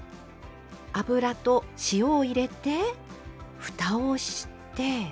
油と塩を入れてふたをして。